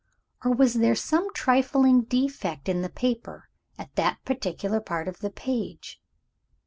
or was there some trifling defect in the paper, at that particular part of the page?